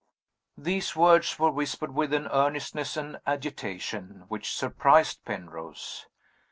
These words were whispered with an earnestness and agitation which surprised Penrose.